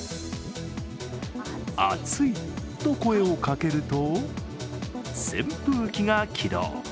「あつい」と声をかけると、扇風機が起動。